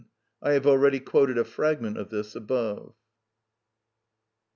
I have already quoted a fragment of this above.